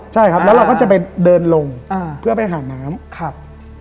ใช่ครับแล้วเราก็จะไปเดินลงเพื่อไปหาน้ำครับ